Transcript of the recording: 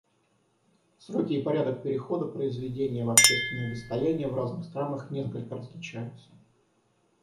Сроки и порядок перехода произведения в общественное достояние в разных странах несколько различаются.